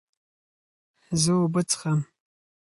زه اوبه څښم.